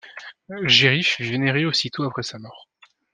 Géry fut vénéré aussitôt après sa mort.